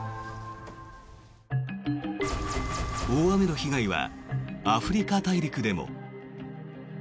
大雨の被害はアフリカ大陸でも。